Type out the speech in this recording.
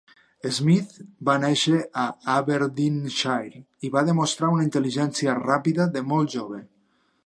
Smith va néixer a Aberdeenshire i va demostrar una intel·ligència ràpida de molt jove.